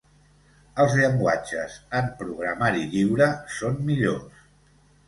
Els llenguatges en programari lliure són millors.